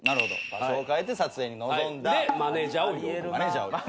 場所を変えて撮影に臨んだ。